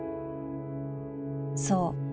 ［そう。